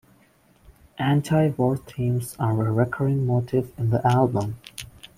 Anti-war themes are a recurring motif in the album.